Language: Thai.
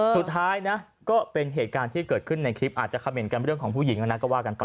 สุดท้ายนะก็เป็นเหตุการณ์ที่เกิดขึ้นในคลิปอาจจะคำเห็นกันเรื่องของผู้หญิงนะก็ว่ากันไป